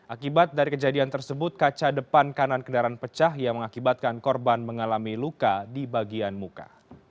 akibat dari kejadian tersebut kaca depan kanan kendaraan pecah yang mengakibatkan korban mengalami luka di bagian muka